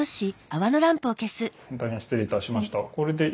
本当に失礼いたしました。